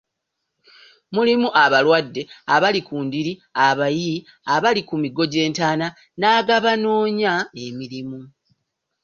Mulimu abalwadde, abali ku ndiri, abayi, abali ku migo gy’entaana na ag’abanoonya emirimu.